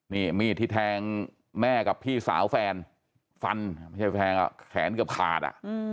นี่มีที่แทงแม่กับพี่สาวแฟนฟันแขนเกือบขาด